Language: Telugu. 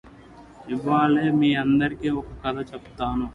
ఇవాళ మీ అందరికి ఒక కథ చెపుతాను